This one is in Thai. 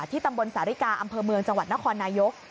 ตำบลสาริกาอำเภอเมืองจังหวัดนครนายก